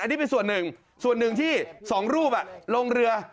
อันนี้เป็นส่วนหนึ่งส่วนหนึ่งที่สองรูปลงเรือ